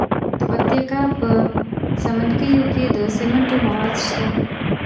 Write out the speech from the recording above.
د پکتیا په څمکنیو کې د سمنټو مواد شته.